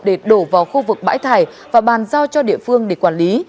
để đổ vào khu vực bãi thải và bàn giao cho địa phương để quản lý